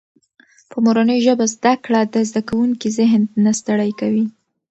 په مورنۍ ژبه زده کړه د زده کوونکي ذهن نه ستړی کوي.